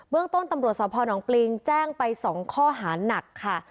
เรื่องต้นตำรวจสพนปริงแจ้งไป๒ข้อหานักค่ะ